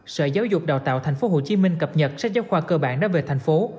sở giáo dục đào tạo tp hcm cập nhật sách giáo khoa cơ bản đã về thành phố